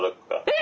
え！